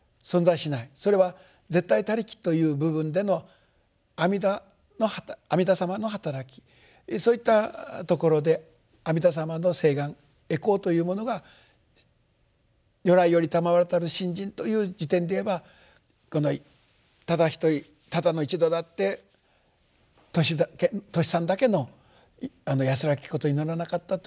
それは絶対他力という部分での阿弥陀様のはたらきそういったところで阿弥陀様の誓願回向というものが如来よりたまわりたる信心という時点でいえばこのただ一人ただの一度だってトシさんだけの安らけきことを祈らなかったという。